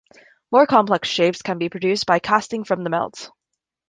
More complex shapes can be produced by casting from the melt.